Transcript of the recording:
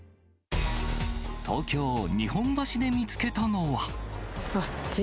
東京・日本橋で見つけたのは。